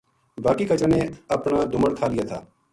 باقی کچراں نے اپن دُمڑ کھا لیا تھا